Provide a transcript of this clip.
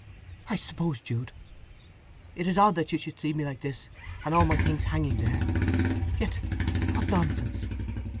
"I suppose, Jude, it is odd that you should see me like this and all my things hanging there? Yet what nonsense!